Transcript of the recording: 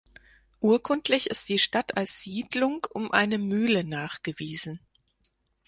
Urkundlich ist die Stadt als Siedlung um eine Mühle nachgewiesen.